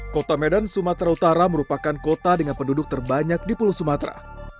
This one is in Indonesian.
kota medan sumatera utara merupakan kota dengan penduduk terbanyak di pulau sumatera